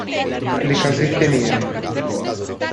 Le casette nere.